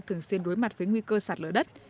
thường xuyên đối mặt với nguy cơ sạt lỡ đất